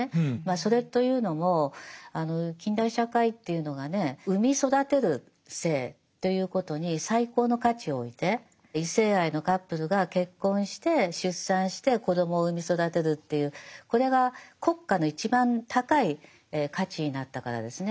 それというのも近代社会っていうのがね産み育てる性ということに最高の価値を置いて異性愛のカップルが結婚して出産して子どもを産み育てるっていうこれが国家の一番高い価値になったからですね。